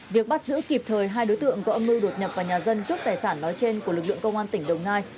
việc bắt giữ kịp thời hai đối tượng có âm mưu đột nhập vào nhà dân cướp tài sản nói trên của lực lượng công an tỉnh đồng nai